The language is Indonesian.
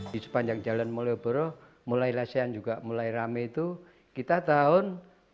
di sepanjang jalan malioboro mulai lasean juga mulai rame itu kita tahun seribu sembilan ratus delapan puluh enam